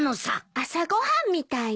朝ご飯みたいね。